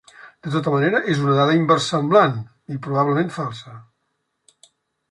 De tota manera, és una dada inversemblant i probablement falsa.